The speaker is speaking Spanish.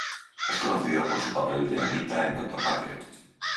Es conocida por su papel de Anita en Doctor Mateo.